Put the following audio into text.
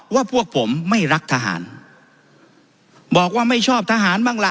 ว่าพวกผมไม่รักทหารบอกว่าไม่ชอบทหารบ้างล่ะ